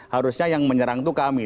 harusnya yang menyerang itu kami